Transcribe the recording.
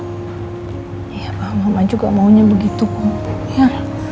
iya pa mama juga maunya begitu pa